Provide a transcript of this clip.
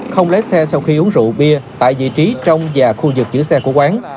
không lấy xe sau khi uống rượu bia tại vị trí trong và khu vực giữ xe của quán